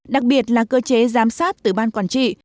đặc biệt là cơ chế giám sát từ ban quản trị